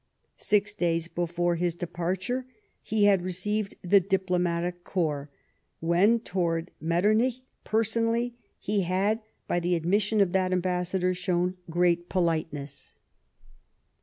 Six days before this departure he had received the diplomatic corps, when, towards Metternich personally, he had, by the admission of that ambassador, shown great politeness.